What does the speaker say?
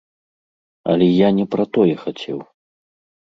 Але я не пра тое хацеў.